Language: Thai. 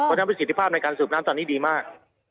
เพราะฉะนั้นประสิทธิภาพในการสูบน้ำตอนนี้ดีมาก